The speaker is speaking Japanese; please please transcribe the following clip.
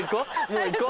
もう行こ。